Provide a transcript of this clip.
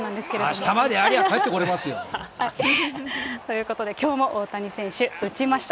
あしたまであれは帰ってこられますよ。ということで、きょうも大谷選手、打ちました。